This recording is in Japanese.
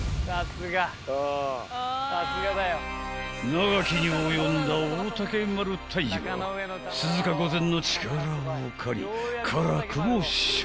［長きに及んだ大嶽丸退治は鈴鹿御前の力を借り辛くも勝利した］